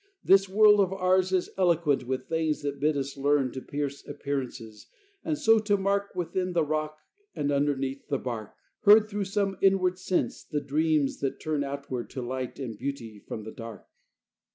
This world of ours Is eloquent with things that bid us learn To pierce appearances, and so to mark, Within the rock and underneath the bark, Heard through some inward sense, the dreams that turn Outward to light and beauty from the dark.